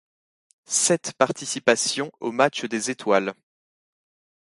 Sept participations au Match des étoiles.